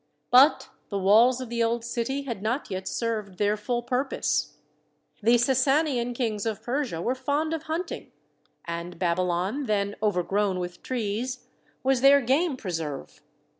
But the walls of the old city had not yet served their full purpose. The Sassanian kings of Persia were fond of hunting, and Babylon, then overgrown with trees, was their game pre serve.